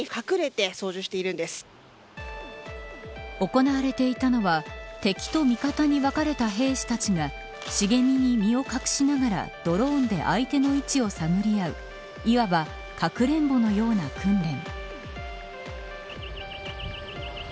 行われていたのは敵と味方に分かれた兵士たちが茂みに身を隠しながらドローンで相手の位置を探り合ういわばかくれんぼのような訓練。